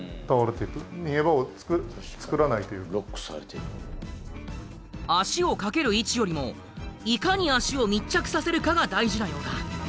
今のこの映像だったら足を掛ける位置よりもいかに足を密着させるかが大事なようだ。